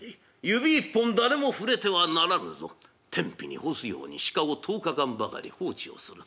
指一本誰も触れてはならぬぞ」と天日に干すように鹿を１０日間ばかり放置をする。